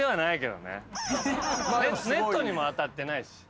ネットにも当たってないし。